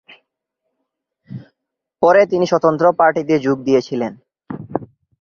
পরে তিনি স্বতন্ত্র পার্টিতে যোগ দিয়েছিলেন।